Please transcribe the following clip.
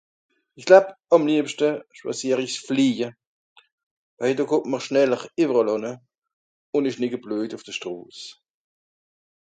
Ìch glab, àm liebschte, schwàsier ìch flieje, waje do kùmmt m'r schneller ìwweràll ànne, ùn ìsch nìe gebleujt ùf de Stros.